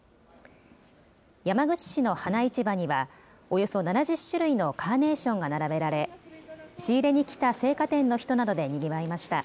山口市の花市場には、およそ７０種類のカーネーションが並べられ、仕入れに来た生花店の人などでにぎわいました。